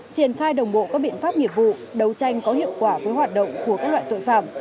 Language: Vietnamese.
triển khai đồng bộ các biện pháp nghiệp vụ đấu tranh có hiệu quả với hoạt động của các loại tội phạm